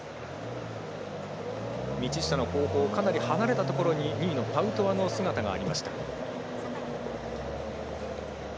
道下の後方かなり離れたところに２位のパウトワの姿がありました。